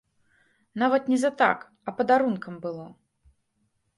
Нават не за так, а падарункам было.